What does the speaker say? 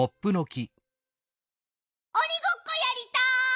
おにごっこやりたい！